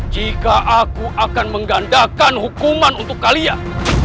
jika aku akan menggandakan hukumanmu raih